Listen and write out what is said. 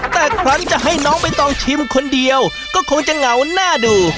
แต่ครั้งจะให้น้องใบตองชิมคนเดียวก็คงจะเหงาน่าดู